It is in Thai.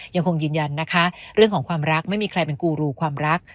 ยังคงยืนยันนะคะเรื่องของความรักไม่มีใครเป็นกูรูความรัก